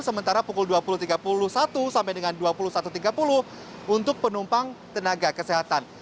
sementara pukul dua puluh tiga puluh satu sampai dengan dua puluh satu tiga puluh untuk penumpang tenaga kesehatan